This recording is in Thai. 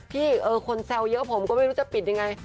คนแซวเยอะผมก็ไม่รู้จะปิดยังไง